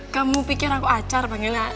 kamu pikir aku acar panggil gak